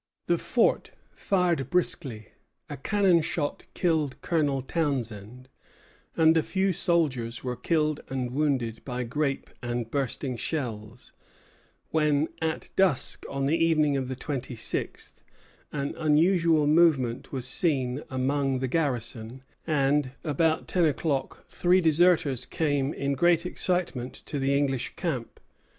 The fort fired briskly; a cannon shot killed Colonel Townshend, and a few soldiers were killed and wounded by grape and bursting shells; when, at dusk on the evening of the twenty sixth, an unusual movement was seen among the garrison, and, about ten o'clock, three deserters came in great excitement to the English camp.